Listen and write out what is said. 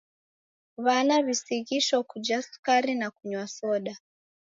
W'ana w'isighisho kuja sukari na kunywa na soda.